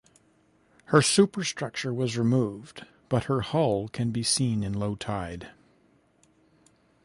Her superstructure was removed but her hull can be seen in low tide.